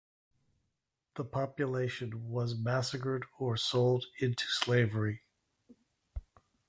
The population was massacred or sold into slavery.